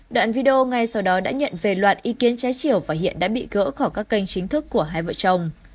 đoạn video ngay sau đó đã nhận về loạt ý kiến trái chiều và hiện đã bị gỡ khỏi các kênh chính thức của hai vợ chồng